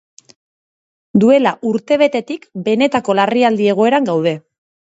Duela urtebetetik benetako larrialdi egoeran gaude.